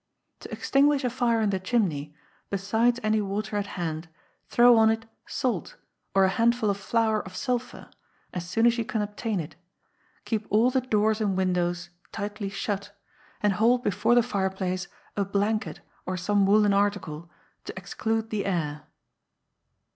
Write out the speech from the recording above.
To Extinguish a Fire in the chimney, besides any water at hand, throw on it salt, or a handful of flour of sulphur, as soon as you can obtain it; keep all the doors and windows tightly shut, and hold before the fireplace a blanket, or some woollen article, to exclude the air.